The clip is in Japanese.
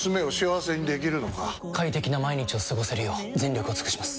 快適な毎日を過ごせるよう全力を尽くします！